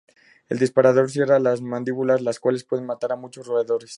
El disparador cierra las mandíbulas, las cuales pueden matar a muchos roedores.